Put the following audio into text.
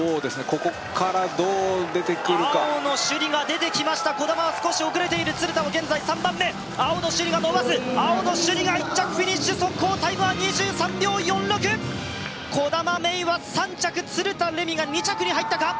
ここからどう出てくるか青野朱李が出てきました兒玉は少し遅れている鶴田は現在３番目青野朱李が伸ばす青野朱李が１着フィニッシュ速報タイムは２３秒４６兒玉芽生は３着鶴田玲美が２着に入ったか？